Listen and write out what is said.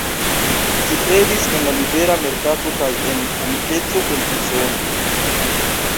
Ĝi kredis en la libera merkato kaj en amikeco kun Usono.